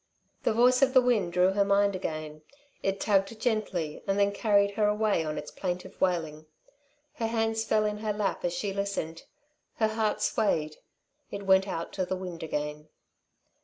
The voice of the wind drew her mind again. It tugged gently and then carried her away on its plaintive wailing. Her hands fell in her lap as she listened. Her heart swayed; it went out to the wind again.